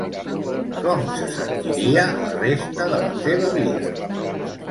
Com se sentiria la resta de la seva vida?